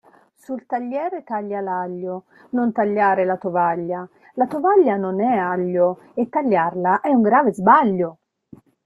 Sul tagliere taglia l'aglio, non tagliare la tovaglia, la tovaglia non è aglio e tagliarla è un grave sbaglio.